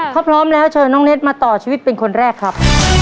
ถ้าพร้อมแล้วเชิญน้องเน็ตมาต่อชีวิตเป็นคนแรกครับ